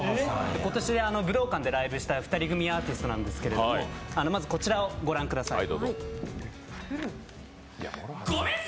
今年、武道館でライブした２人組アーティストなんですけれども、まずこちらをご覧ください。